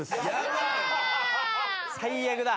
最悪だ。